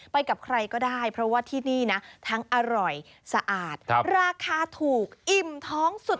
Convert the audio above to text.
กับใครก็ได้เพราะว่าที่นี่นะทั้งอร่อยสะอาดราคาถูกอิ่มท้องสุด